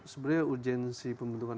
sebenarnya urgensi pembentukan